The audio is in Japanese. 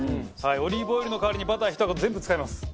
オリーブオイルの代わりにバター１箱全部使います。